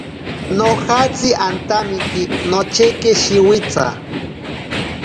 Nojatsi antamiki nocheki shiwitsa.